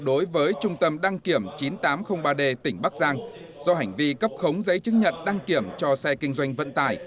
đối với trung tâm đăng kiểm chín nghìn tám trăm linh ba d tỉnh bắc giang do hành vi cấp khống giấy chứng nhận đăng kiểm cho xe kinh doanh vận tải